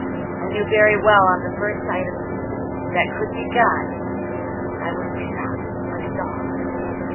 I knew very well on the first sight of me that could be got, I would be shot like a dog.